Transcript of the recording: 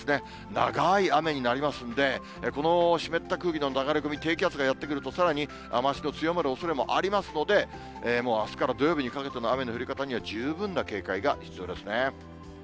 長い雨になりますので、この湿った空気の流れ込み、低気圧がやって来ると、さらに雨足の強まるおそれもありますので、もうあすから土曜日にかけての雨の降り方には、十分な警戒が必要ですね。